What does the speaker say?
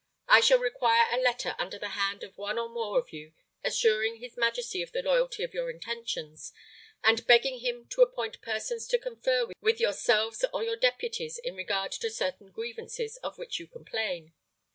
I shall require a letter under the hand of one or more of you assuring his majesty of the loyalty of your intentions, and begging him to appoint persons to confer with yourselves or your deputies in regard to certain grievances of which you complain.